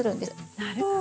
なるほど。